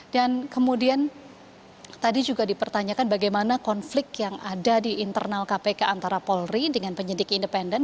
dan kemudian tadi juga dipertanyakan bagaimana konflik yang ada di internal kpk antara polri dengan penyidik independen